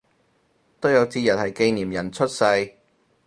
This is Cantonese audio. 都有節日係紀念人出世